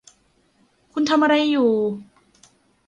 คุณทำอะไรอยู่